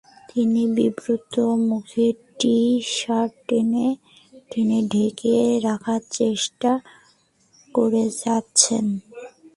তিনি বিব্রত মুখে টি-শার্ট টেনে টেনে ঢেকে রাখার চেষ্টা করে যাচ্ছেন।